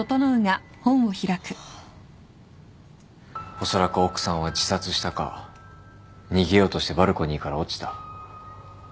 おそらく奥さんは自殺したか逃げようとしてバルコニーから落ちた。